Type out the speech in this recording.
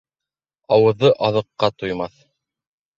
Ауыҙы аҙыҡҡа туймаҫ.